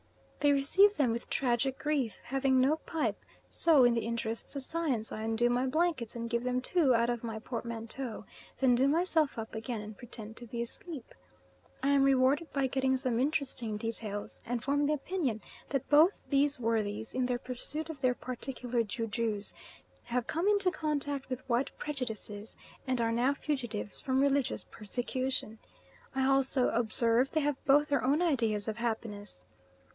They receive them with tragic grief, having no pipe, so in the interests of Science I undo my blankets and give them two out of my portmanteau; then do myself up again and pretend to be asleep. I am rewarded by getting some interesting details, and form the opinion that both these worthies, in their pursuit of their particular ju jus, have come into contact with white prejudices, and are now fugitives from religious persecution. I also observe they have both their own ideas of happiness.